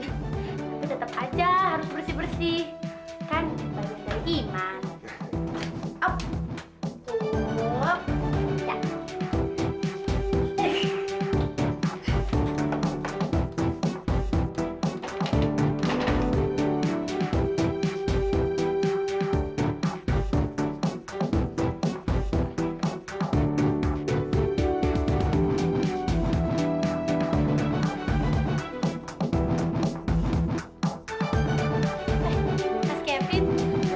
tapi tetep aja harus bersih bersih